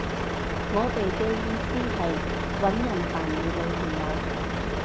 我哋嘅意思係搵人扮你女朋友